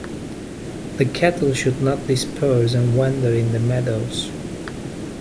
The cattle should not disperse and wander in the meadows.